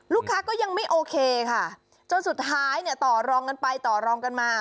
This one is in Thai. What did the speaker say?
ก็ยังไม่โอเคค่ะจนสุดท้ายเนี่ยต่อรองกันไปต่อรองกันมา